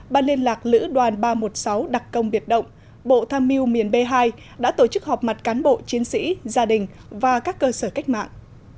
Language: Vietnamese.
ban liên lạc lữ đoàn ba trăm một mươi sáu đặc công biệt động bộ tham mưu miền b hai đã tổ chức họp mặt cán bộ chiến sĩ gia đình và các cơ sở cách mạng